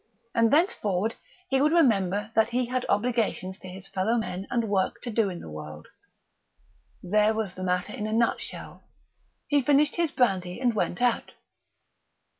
and thenceforward he would remember that he had obligations to his fellow men and work to do in the world. There was the matter in a nutshell. He finished his brandy and went out.